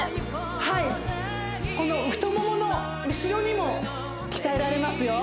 はいこの太ももの後ろにも鍛えられますよ